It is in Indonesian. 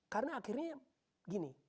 karena akhirnya gini